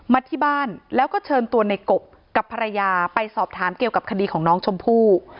มาที่บ้านแล้วก็เชิญตัวในกบกับภรรยาไปสอบถามเกี่ยวกับคดีของน้องชมพู่